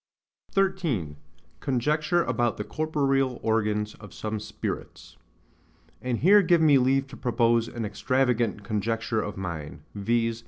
13. Conjecture about the corporeal organs of some Spirits. And here give me leave to propose an extravagant conjecture of mine, viz.